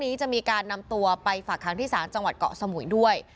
นี้จะมีการนำตัวไปฝากค้างที่ศาลจังหวัดเกาะสมุยด้วย